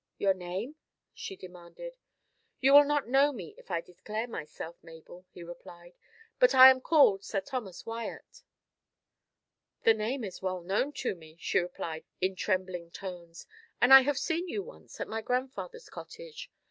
"Your name?" she demanded. "You will not know me if I declare myself, Mabel," he replied, "but I am called Sir Thomas Wyat." "The name is well known to me," she replied, in trembling tones; "and I have seen you once at my grandfather's cottage.